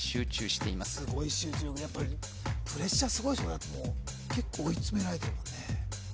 すごい集中力やっぱりプレッシャーすごいでしょ結構追い詰められてるもんね